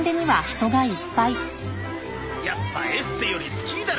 やっぱエステよりスキーだろ。